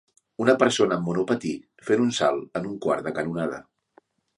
Una persona amb monopatí fent un salt en un quart de canonada.